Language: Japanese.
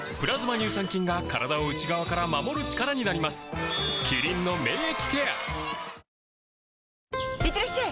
乳酸菌が体を内側から守る力になりますいってらっしゃい！